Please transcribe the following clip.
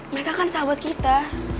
mereka kan sahabat kita